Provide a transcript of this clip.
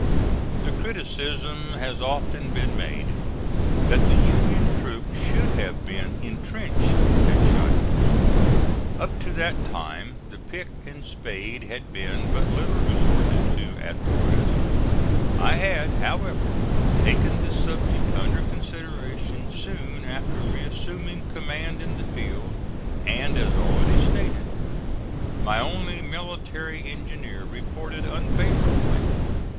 The criticism has often been made that the Union troops should have been intrenched at Shiloh. Up to that time the pick and spade had been but little resorted to at the West. I had, however, taken this subject under consideration soon after re assuming command in the field, and, as already stated, my only military engineer reported unfavorably.